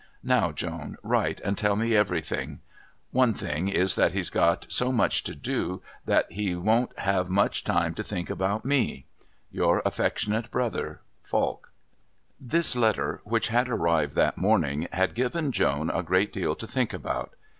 Now, Joan, write and tell me everything. One thing is that he's got so much to do that he won't have much time to think about me. Your affectionate brother, FALK. This letter, which had arrived that morning, had given Joan a great deal to think about.